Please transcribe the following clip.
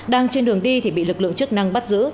đang trên đường đi thì bị lực lượng chức năng bắt giữ